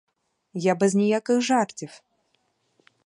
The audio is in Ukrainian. Я без ніяких жартів.